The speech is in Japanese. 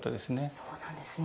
そうなんですね。